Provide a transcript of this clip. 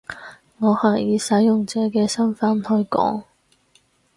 我係以使用者嘅身分去講